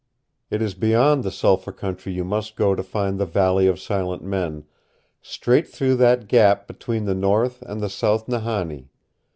It is beyond the Sulphur Country you must go to find the Valley of Silent Men, straight through that gap between the North and the South Nahanni.